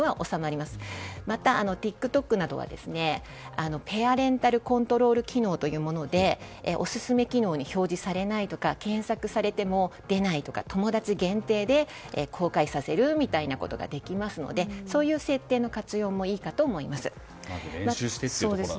また、ＴｉｋＴｏｋなどはペアレンタルコントロール機能というものでオススメ機能に表示されないとか検索されても出ないとか友達限定で公開させるみたいなことができますのでそういう設定の活用もいいかと思います。